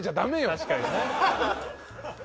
確かにね。